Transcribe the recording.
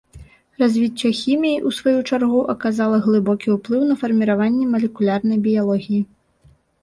Развіццё хіміі, у сваю чаргу, аказала глыбокі ўплыў на фарміраванне малекулярнай біялогіі.